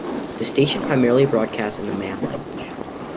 The station primarily broadcasts in the Mam language.